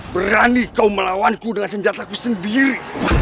berani kau melawanku dengan senjataku sendiri